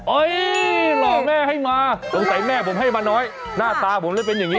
หล่อแม่ให้มาสงสัยแม่ผมให้มาน้อยหน้าตาผมเลยเป็นอย่างนี้